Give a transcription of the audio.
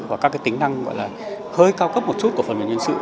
và các cái tính năng gọi là hơi cao cấp một chút của phần mềm nhân sự